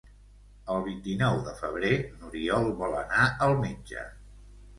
El vint-i-nou de febrer n'Oriol vol anar al metge.